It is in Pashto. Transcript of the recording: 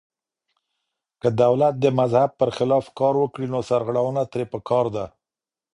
که دولت د مذهب پر خلاف کار وکړي نو سرغړونه ترې پکار ده.